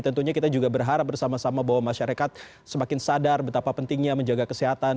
tentunya kita juga berharap bersama sama bahwa masyarakat semakin sadar betapa pentingnya menjaga kesehatan